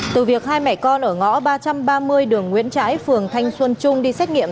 từ việc hai mẹ con ở ngõ ba trăm ba mươi đường nguyễn trãi phường thanh xuân trung đi xét nghiệm